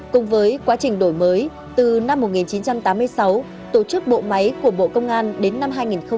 cùng với quá trình đổi mới từ năm một nghìn chín trăm tám mươi sáu tổ chức bộ máy của bộ công an đến năm hai nghìn hai mươi